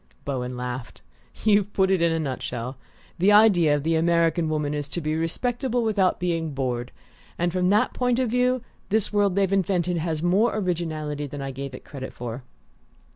Bowen laughed. "You've put it in a nutshell: the ideal of the American woman is to be respectable without being bored; and from that point of view this world they've invented has more originality than I gave it credit for."